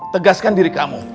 tegaskan diri kamu